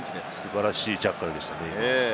素晴らしいジャッカルでしたね。